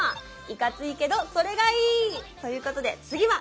いかついけどそれがいい！ということで次は。